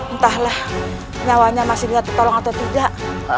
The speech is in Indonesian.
entahlah nyawanya masih dia tertolong atau tidak